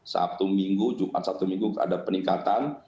sabtu minggu jumat sabtu minggu ada peningkatan